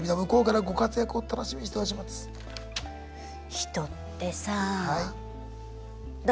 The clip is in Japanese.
人ってさあ。